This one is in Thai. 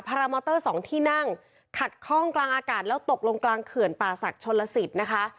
รามอเตอร์สองที่นั่งขัดข้องกลางอากาศแล้วตกลงกลางเขื่อนป่าศักดิ์ชนลสิตนะคะ